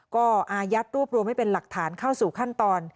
ก็อายัดรวบรวมให้เป็นหลักฐานเข้าสู่ขั้นตอน